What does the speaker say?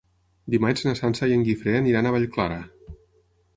Dimarts na Sança i en Guifré aniran a Vallclara.